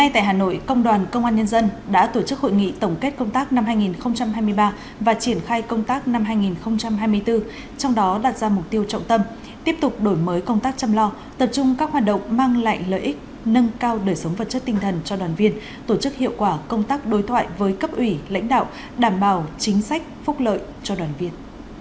trong đó đặt ra mục tiêu trọng tâm tiếp tục đổi mới công tác chăm lo tập trung các hoạt động mang lại lợi ích nâng cao đời sống vật chất tinh thần cho đoàn viên tổ chức hiệu quả công tác đối thoại với cấp ủy lãnh đạo đảm bảo chính sách phúc lợi cho đoàn viên